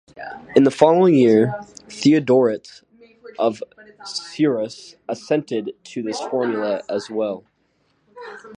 In the following year, Theodoret of Cyrrhus assented to this formula as well.